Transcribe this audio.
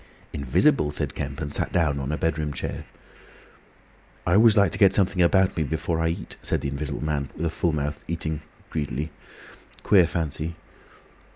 "Invisible!" said Kemp, and sat down on a bedroom chair. "I always like to get something about me before I eat," said the Invisible Man, with a full mouth, eating greedily. "Queer fancy!"